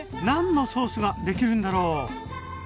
何のソースができるんだろう？